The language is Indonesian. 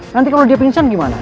nanti kalau dia pensiun gimana